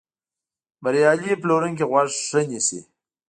بریالی پلورونکی غوږ ښه نیسي.